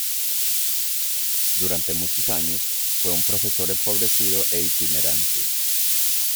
Durante muchos años, fue un profesor empobrecido e itinerante.